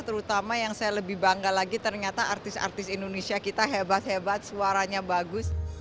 terutama yang saya lebih bangga lagi ternyata artis artis indonesia kita hebat hebat suaranya bagus